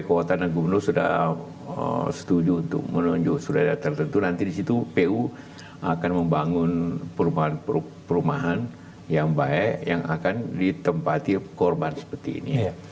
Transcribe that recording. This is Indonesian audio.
jika ada kekuatan dan gubun sudah setuju untuk menunjukan sudah ada tertentu nanti di situ pu akan membangun perumahan perumahan yang baik yang akan ditempati korban seperti ini ya